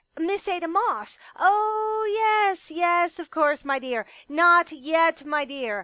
Miss Ada Moss." "Oh, yes, yes ; of course, my dear. Not yet, my dear.